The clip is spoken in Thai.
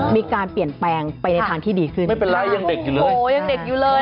มีการเปลี่ยนแปลงไปในทางที่ดีขึ้นไม่เป็นไรยังเด็กอยู่เลยโอ้โหยังเด็กอยู่เลย